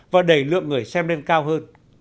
và đầy lượng người xem lên cao hơn